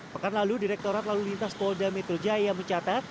pekan lalu direktorat lalu lintas kolda mitra jaya mencatat